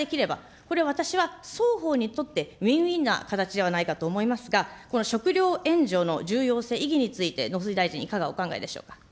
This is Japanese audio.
これ私は、双方にとってウィンウィンな形ではないかと思いますが、この食料援助の重要性、意義について農水大臣、いかがお考えでしょうか。